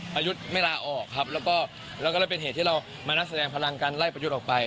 ประยุทธ์ไม่ลาออกครับแล้วก็เลยเป็นเหตุที่เรามานักแสดงพลังการไล่ประยุทธ์ออกไป